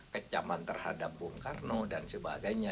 kecaman terhadap bung karno dan sebagainya